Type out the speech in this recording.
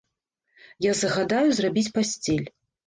Я загадаю зрабіць пасцель.